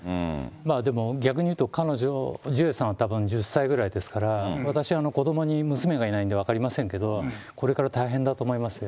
でも、逆に言うと、彼女、ジュエさんはたぶん１０歳ぐらいですから、私は、子どもに娘がいないんで、分かりませんけど、これから大変だと思いますよ。